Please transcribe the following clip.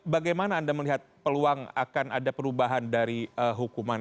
bagaimana anda melihat peluang akan ada perubahan dari hukuman